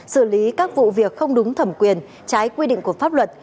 xử lý các vụ việc không đúng thẩm quyền trái quy định của pháp luật